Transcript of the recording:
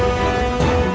aku akan menangkanmu